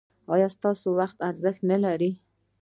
ایا ستاسو وخت ارزښت نلري؟